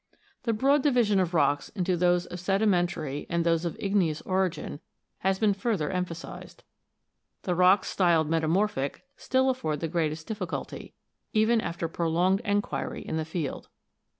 The broad division of rocks into those of sedi mentary and those of igneous origin has been further emphasised. The rocks styled metamorphic still afford the greatest difficulty, even after prolonged enquiry in the field.